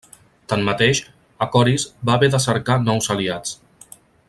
Tanmateix, Acoris va haver de cercar nous aliats.